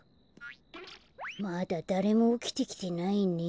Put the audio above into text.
まだだれもおきてきてないね。